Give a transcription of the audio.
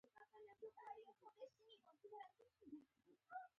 غلط خبره بده ده.